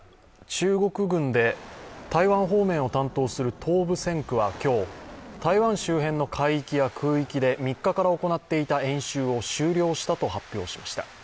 中国軍で台湾方面を担当する東部戦区は今日、台湾周辺の海域や空域で３日から行っていた演習を終了したと発表しました。